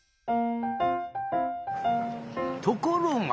ところが。